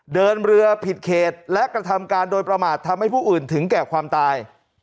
เดินเรือผิดเขตและกระทำการโดยประมาททำให้ผู้อื่นถึงแก่ความตาย